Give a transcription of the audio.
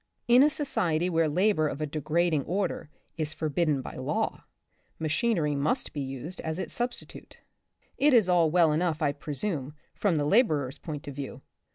In a society where labor of a degrading order is forbidden by law, machinery must be used as its substi tute. It is all well enough, I presume, from the laborer's point of view.